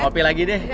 kopi lagi deh